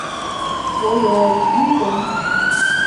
Ой-ой, вӱдым!..